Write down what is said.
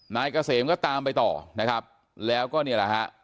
นายเกษมก็ตามไปต่อนะครับแล้วก็เนี่ยแหละฮะ